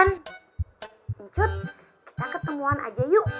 lanjut kita ketemuan aja yuk